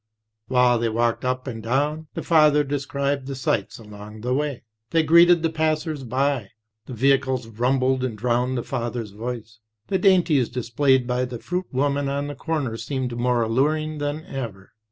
While they walked up and down, the father described the sights along the way; they greeted the passers by; the vehicles rumbled and drowned the father's voice; the dainties displayed by the fruit woman on the corner seemed more alluring than ever.